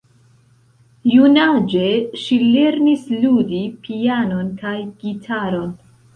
Junaĝe ŝi lernis ludi pianon kaj gitaron.